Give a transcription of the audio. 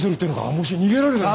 もし逃げられたら。